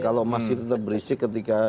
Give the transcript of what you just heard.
kalau masih tetap berisik ketika